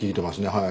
はい。